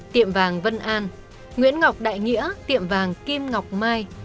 tiệm vàng vân an nguyễn ngọc đại nghĩa tiệm vàng kim ngọc mai